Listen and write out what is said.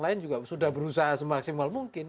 lain juga sudah berusaha semaksimal mungkin